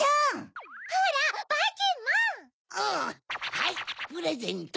はいプレゼント。